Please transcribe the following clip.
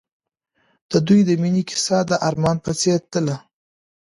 د دوی د مینې کیسه د آرمان په څېر تلله.